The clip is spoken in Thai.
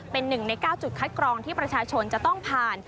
เป็น๑ใน๙จุดคัดกรองที่ประชาชนจะต้องผ่าน